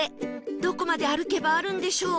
どこまで歩けばあるんでしょう？